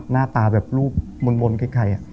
หน้าตาแบบรูปมนต์ใคร